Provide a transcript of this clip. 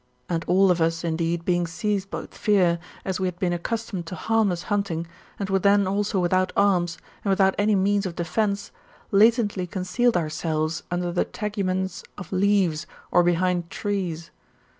And all of us, indeed, being seized with fear, as we had been accustomed to harmless hunting, and were then also without arms, and without any means of defence, latently concealed ourselves under the teguments of leaves, or behind trees.